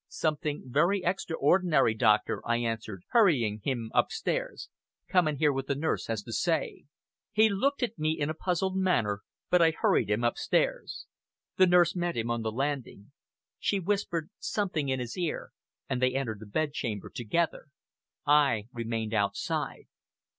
"Something very extraordinary, doctor," I answered, hurrying him upstairs. "Come and hear what the nurse has to say." He looked at me in a puzzled manner, but I hurried him upstairs. The nurse met him on the landing. She whispered something in his ear, and they entered the bedchamber together. I remained outside.